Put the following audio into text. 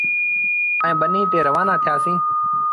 ائيٚݩ ٻنيٚ تي روآنآ ٿيٚآسيٚݩ ۔